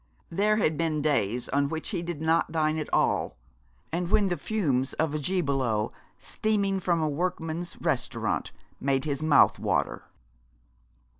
There had been days on which he did not dine at all, and when the fumes of a gibelotte steaming from a workman's restaurant made his mouth water.